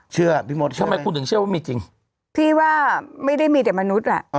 เชื่อพี่มศเชื่อไหมพี่ว่าไม่ได้มีแต่มนุษย์ล่ะ